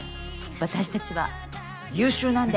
私たちは優秀なんで。